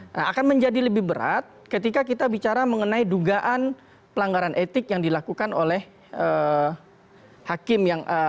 nah akan menjadi lebih berat ketika kita bicara mengenai dugaan pelanggaran etik yang dilakukan oleh hakim yang